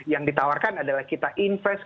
yang ditawarkan adalah kita invest